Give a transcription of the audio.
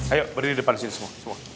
ayo berdiri di depan sini semua